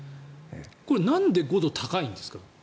これなんで５度高いんですか？